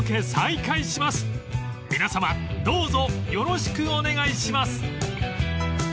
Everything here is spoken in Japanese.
［皆さまどうぞよろしくお願いします！］